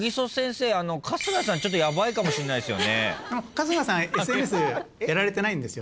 春日さんＳＮＳやられてないんですよね。